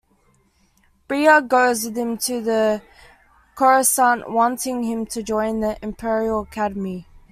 Bria goes with him to Coruscant, wanting him to join the Imperial Academy.